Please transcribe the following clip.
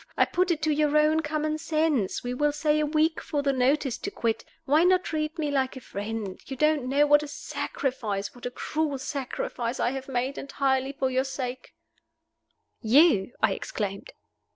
I put it to your own common sense (we will say a week for the notice to quit) why not treat me like a friend? You don't know what a sacrifice, what a cruel sacrifice, I have made entirely for your sake. "You?" I exclaimed.